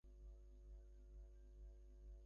কি করবে এখন?